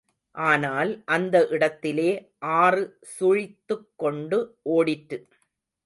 ஆனால், அந்த இடத்திலே ஆறு சுழித்துக்கொண்டு ஓடிற்று.